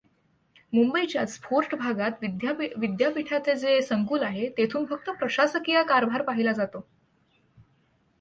मुंबईच्याच fort भागात विद्यापीठाचे जे संकुल आहे तेथून फक्त प्रशासकीय कारभार पाहिला जातो.